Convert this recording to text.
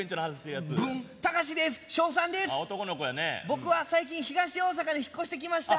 僕は最近東大阪に引っ越してきました。